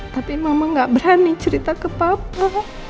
tapi mama gak berani cerita ke papua